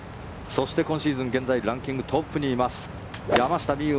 そして今シーズンランキングトップにいます山下美夢